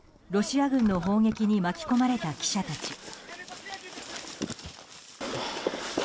ロシア軍の砲撃に巻き込まれた記者たち。